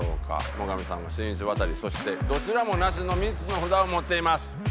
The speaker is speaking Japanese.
最上さんは「しんいち」「ワタリ」そして「どちらもなし」の３つの札を持っています。